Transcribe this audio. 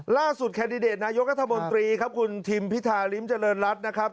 แคนดิเดตนายกัธมนตรีครับคุณทิมพิธาริมเจริญรัฐนะครับ